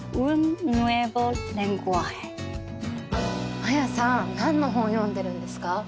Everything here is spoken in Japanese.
マヤさん何の本読んでるんですか？